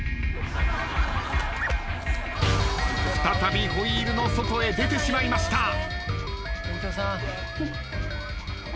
再びホイールの外へ出てしまいました。